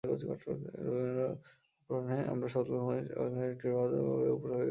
রবিবার অপরাহ্নে আমরা সমতল ভূমির সন্নিকটে একটি হ্রদ ও জলপ্রপাতের উপরিভাগে একস্থানে বিশ্রাম করিলাম।